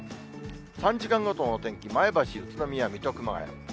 ３時間ごとのお天気、前橋、宇都宮、水戸、熊谷。